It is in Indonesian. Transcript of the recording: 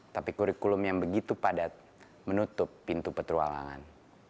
tapi kurikulum yang begitu padat menutup pintu petualangan